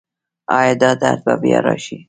ایا دا درد به بیا راشي؟